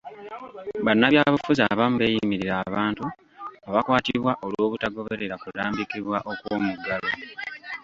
Bannabyabufuzi abamu beeyimirira abantu abakwatibwa olw'obutagoberera kulambikibwa okw'omuggalo.